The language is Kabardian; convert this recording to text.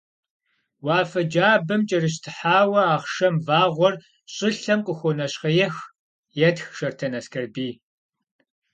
«Уафэ джабэм кӀэрыщтхьауэ Ахъшэм вагъуэр щӀылъэм къыхуонэщхъеих», - етх Шортэн Аскэрбий.